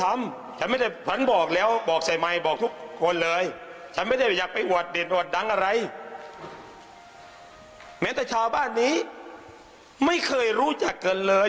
แม้แต่ชาวบ้านนี้ไม่เคยรู้จักกันเลย